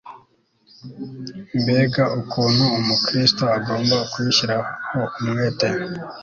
mbega ukuntu Umukristo agomba kubishyiraho umwete